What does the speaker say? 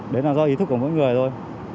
đấy là do ý thức của mỗi người thôi